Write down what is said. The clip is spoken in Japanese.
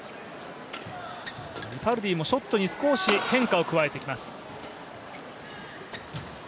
リファルディもショットに少し変化を加えてきます。